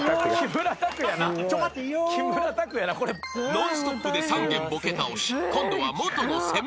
［ノンストップで３軒ボケ倒し今度は］